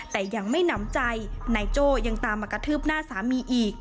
แต่ยังไม่หนำใจนายโจ้ยังตามมากระทืบหน้าสามีอีก